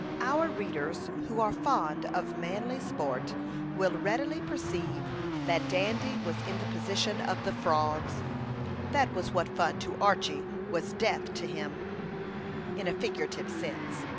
Our readers who are fond of manly sport will readily perceive that Dandy was in the position of the frogs, that what was fun to Archy was death to him, in a figurative sense.